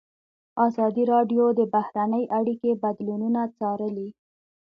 ازادي راډیو د بهرنۍ اړیکې بدلونونه څارلي.